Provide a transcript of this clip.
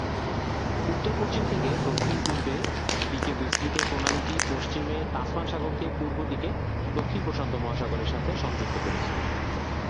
উত্তর-পশ্চিম থেকে দক্ষিণ-পূর্বে দিকে বিস্তৃত প্রণালীটি পশ্চিমে তাসমান সাগরকে পূর্বদিকে দক্ষিণ প্রশান্ত মহাসাগরের সাথে সংযুক্ত করেছে।